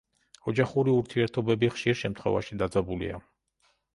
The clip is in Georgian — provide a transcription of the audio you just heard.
ოჯახური ურთიერთობები ხშირ შემთხვევაში დაძაბულია.